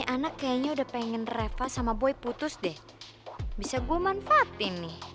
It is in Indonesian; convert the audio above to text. anak kayaknya udah pengen reva sama boy putus deh bisa gue manfaatin nih